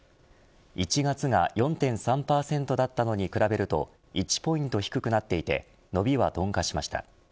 １月が４．３％だったのに比べると１ポイント低くなっていて伸びは鈍化しました。